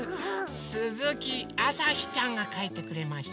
すずきあさひちゃんがかいてくれました。